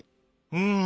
うん。